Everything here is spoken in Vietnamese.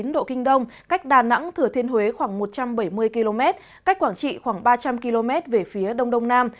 một chín độ kinh đông cách đà nẵng thừa thiên huế khoảng một trăm bảy mươi km cách quảng trị khoảng ba trăm linh km về phía đông đông nam